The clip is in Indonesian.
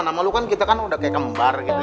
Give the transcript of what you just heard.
sama lo kan kita kan udah kayak kembar gitu